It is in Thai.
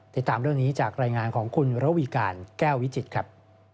ติดตามเรื่องนี้จากรายงานของคุณระวีการแก้ววิจิตรครับ